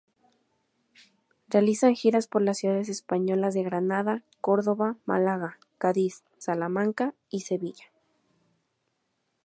Realizan giras por las ciudades españolas de Granada, Córdoba, Málaga, Cádiz, Salamanca y Sevilla.